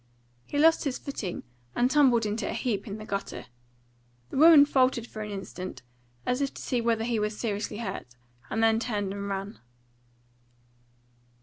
He lost his footing and tumbled into a heap in the gutter. The woman faltered an instant, as if to see whether he was seriously hurt, and then turned and ran.